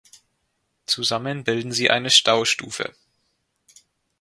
Zusammen bilden sie eine Staustufe.